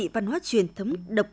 và thật sự một ngày tốt